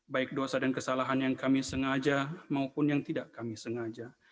baik dosa dan kesalahan yang kami sengaja maupun yang tidak kami sengaja